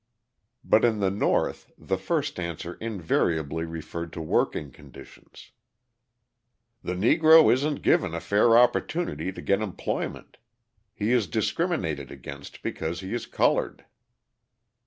But in the North the first answer invariably referred to working conditions. "The Negro isn't given a fair opportunity to get employment. He is discriminated against because he is coloured."